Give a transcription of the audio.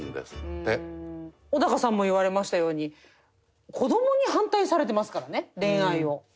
小高さんも言われましたように子どもに反対されてますからね恋愛を。